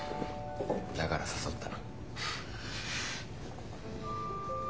だから誘った。